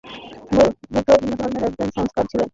বুদ্ধ হিন্দুধর্মের একজন সংস্কারক ছিলেন।